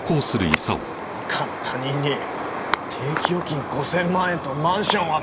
赤の他人に定期預金５０００万円とマンションを与えるというのか！？